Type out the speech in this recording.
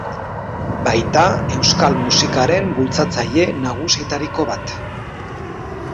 Baita euskal musikaren bultzatzaile nagusietariko bat.